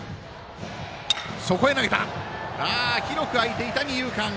広く開いていた二遊間！